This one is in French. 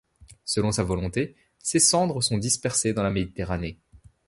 Selon sa volonté, ses cendres sont dispersées dans la Méditerranée.